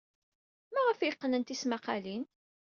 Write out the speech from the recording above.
Maɣef ay yeqqen tismaqqalin?